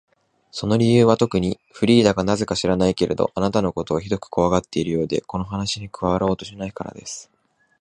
その理由はとくに、フリーダがなぜか知らないけれど、あなたのことをひどくこわがっているようで、この話に加わろうとしないからです。